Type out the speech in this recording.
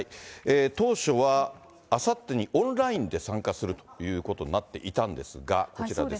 当初はあさってにオンラインで参加するということになっていたんですが、こちらです。